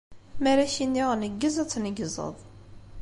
Mi ara ak-iniɣ neggez, ad tneggzeḍ!